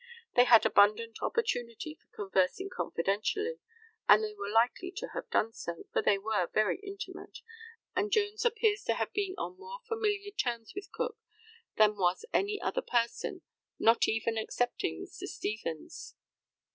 They had abundant opportunity for conversing confidentially, and they were likely to have done so, for they were very intimate, and Jones appears to have been on more familiar terms with Cook than was any other person, not even excepting Mr. Stevens.